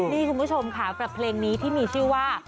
นี่คุณผู้ชมค่ะกับเพลงนี้ที่มีชื่อว่า